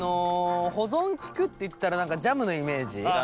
保存利くっていったら何かジャムのイメージ。